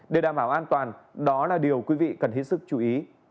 để đảm bảo an toàn đó là điều quý vị cần hết sức chú ý